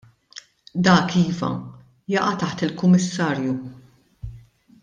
Dak iva, jaqa' taħt il-kummissarju.